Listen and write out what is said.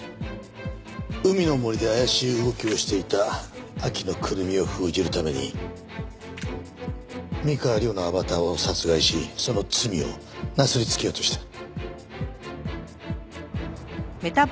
海の森で怪しい動きをしていた秋野胡桃を封じるために三河亮のアバターを殺害しその罪をなすりつけようとした。